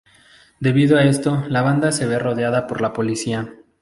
Debido a esto, la banda se ve rodeada por la policía.